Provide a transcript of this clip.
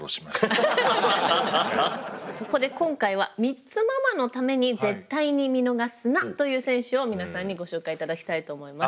そこで今回はミッツママのために絶対に見逃すな！という選手を皆さんにご紹介いただきたいと思います。